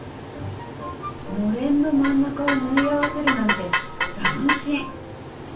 のれんの真ん中を縫い合わせるなんて斬新！